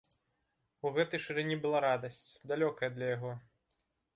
У гэтай шырыні была радасць, далёкая для яго.